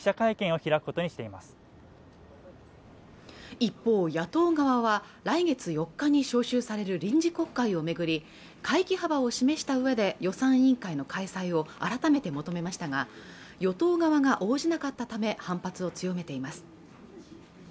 一方野党側は来月４日に召集される臨時国会をめぐり会期幅を示したうえで予算委員会の開催を改めて求めましたが与党側が応じなかったため反発を強めています